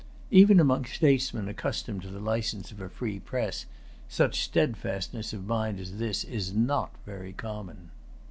Even among statesmen accustomed to the license of a free press, such steadfastness of mind as this is not very common.